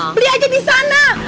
beli aja disana